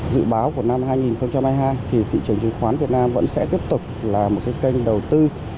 dự báo của năm hai nghìn hai mươi hai thì thị trường chứng khoán việt nam vẫn sẽ tiếp tục là một cái kênh đầu tư